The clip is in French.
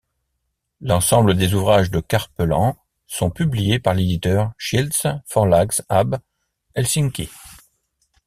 L'ensemble des ouvrages de Carpelan sont publiés par l'éditeur Schildts Förlags Ab, Helsinki.